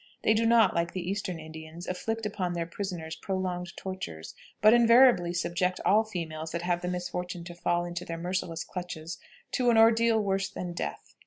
They do not, like the eastern Indians, inflict upon their prisoners prolonged tortures, but invariably subject all females that have the misfortune to fall into their merciless clutches to an ordeal worse than death.